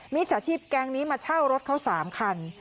จ่าชีพแก๊งนี้มาเช่ารถเขา๓คัน